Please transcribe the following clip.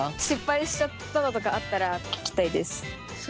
失敗しちゃったのとかあったら聞きたいです。